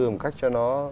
một cách cho nó